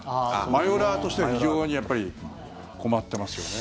マヨラーとしては非常にやっぱり困ってますよね。